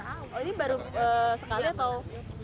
oh ini baru sekali atau